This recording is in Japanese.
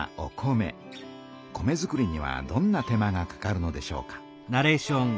米づくりにはどんな手間がかかるのでしょうか。